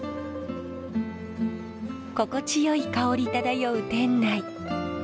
心地よい香り漂う店内。